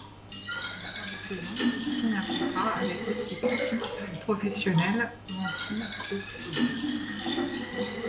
En fin de saison il signe un contrat avec l'équipe continentale professionnelle Wanty-Groupe Gobert.